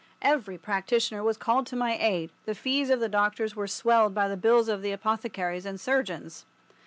Every practitioner was called to my aid, the fees of the doctors were swelled by the bills of the apothecaries and surgeons.